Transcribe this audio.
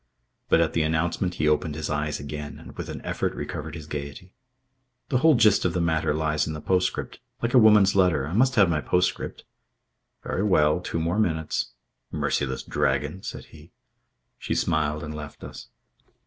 But at the announcement he opened his eyes again and with an effort recovered his gaiety. "The whole gist of the matter lies in the postscript. Like a woman's letter. I must have my postscript." "Very well. Two more minutes." "Merciless dragon," said he. She smiled and left us.